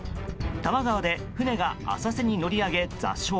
多摩川で船が浅瀬に乗り上げ、座礁。